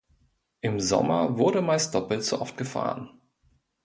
Im Sommer wurde meist doppelt so oft gefahren.